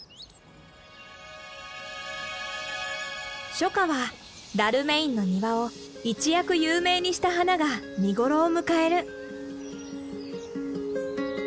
初夏はダルメインの庭を一躍有名にした花が見頃を迎える。